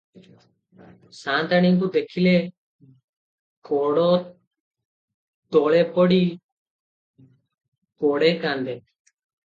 ସାଆନ୍ତାଣୀକୁ ହେଖିଲେ ଗୋଡ଼ତଳେ ପଡ଼ି ଗଡ଼େ କାନ୍ଦେ ।